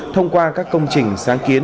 thông qua các công trình sáng kiến